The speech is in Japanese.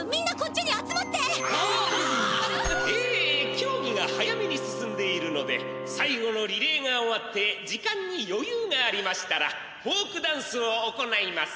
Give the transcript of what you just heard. きょうぎが早めに進んでいるのでさいごのリレーが終わって時間によゆうがありましたらフォークダンスを行います。